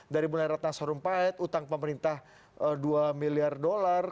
dari mulai ratna sarumpait utang pemerintah dua miliar dolar